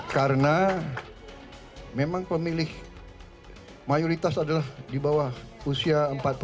karena memang pemilih mayoritas adalah di bawah usia empat puluh